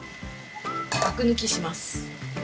アク抜きします。